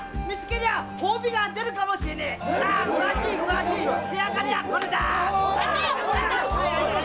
見つけりゃ褒美が出るかもしれない。